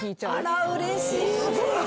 あらうれしいわ。